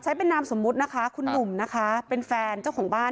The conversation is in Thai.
เป็นนามสมมุตินะคะคุณหนุ่มนะคะเป็นแฟนเจ้าของบ้าน